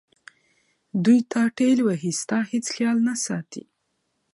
دوی تا ټېل وهي ستا هیڅ خیال نه ساتي.